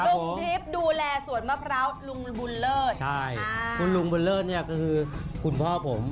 ลุงทิพย์ดูแลสวนมะพร้าวลุงบุญเลิศใช่คุณลุงบุญเลิศเนี่ยก็คือคุณพ่อผม